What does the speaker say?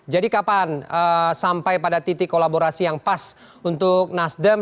jadi kapan sampai pada titik kolaborasi yang pas untuk nasdem